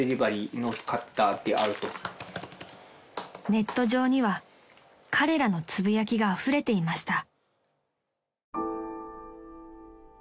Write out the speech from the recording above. ［ネット上には彼らのつぶやきがあふれていました］